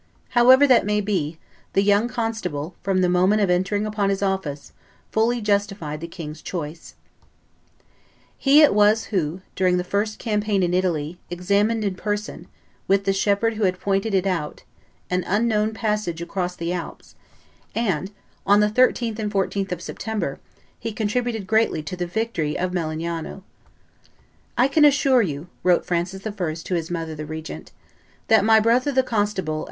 However that may be, the young constable, from the moment of entering upon his office, fully justified the king's choice. [Illustration: The Constable de Bourbon 53] He it was who, during the first campaign in Italy, examined in person, with the shepherd who had pointed it out, an unknown passage across the Alps; and, on the 13th and 14th of September, he contributed greatly to the victory of Melegnano. "I can assure you," wrote Francis I. to his mother, the regent, "that my brother the constable and M.